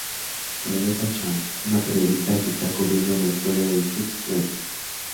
Rebecca Chang: Una periodista que está cubriendo la historia de Chuck Greene.